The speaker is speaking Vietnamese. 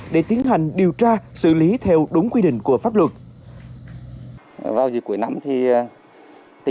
để tiến hành điều tra xử lý theo đúng quy định của pháp luật